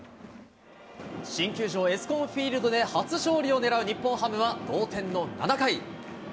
新球場、エスコンフィールドで初勝利を狙う日本ハムは、同点の７回。